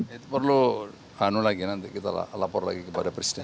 itu perlu anu lagi nanti kita lapor lagi kepada presiden